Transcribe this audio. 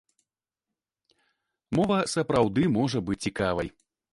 Мова сапраўды можа быць цікавай.